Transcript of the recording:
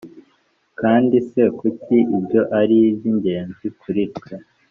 kandi se kuki ibyo ari iby ingenzi kuri twe